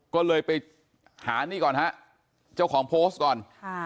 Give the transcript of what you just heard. ก็เลยไปหานี่ก่อนฮะเจ้าของโพสต์ก่อนค่ะ